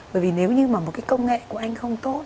bởi vì nếu như mà một cái công nghệ của anh không tốt